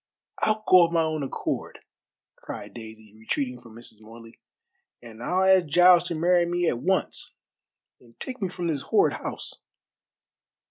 "I'll go of my own accord," cried Daisy, retreating from Mrs. Morley; "and I'll ask Giles to marry me at once, and take me from this horrid house.